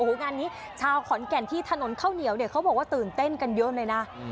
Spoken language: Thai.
งานนี้ชาวขอนแก่นที่ถนนข้าวเหนียวเนี่ยเขาบอกว่าตื่นเต้นกันเยอะเลยนะ